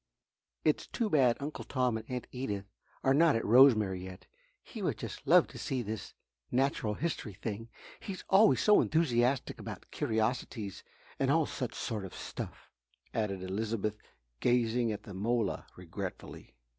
"It's too bad Uncle Tom and Aunt Edith are not at Rosemary yet he would just love to see this natural history thing. He's always so enthusiastic about curiosities and all such sort of stuff," added Elizabeth, gazing at the mola regretfully.